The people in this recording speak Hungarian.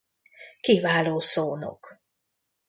Kiváló szónok.